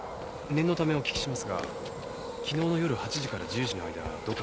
念のためお聞きしますが昨日の夜８時から１０時の間どこに？